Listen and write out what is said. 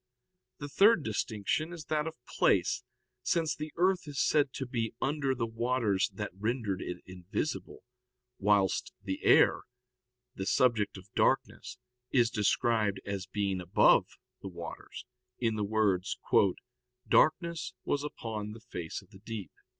The third distinction is that of place; since the earth is said to be under the waters that rendered it invisible, whilst the air, the subject of darkness, is described as being above the waters, in the words: "Darkness was upon the face of the deep."